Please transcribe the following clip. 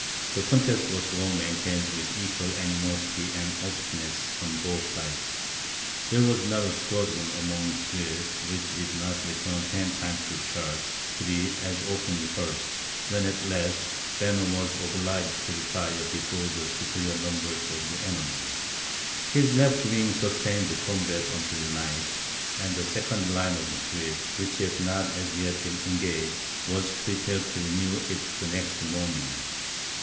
The contest was long maintained with equal animosity and obstinacy on both sides. There was not a squadron among the Swedes, which did not return ten times to the charge, to be as often repulsed; when at last, Banner was obliged to retire before the superior numbers of the enemy. His left wing sustained the combat until night, and the second line of the Swedes, which had not as yet been engaged, was prepared to renew it the next morning.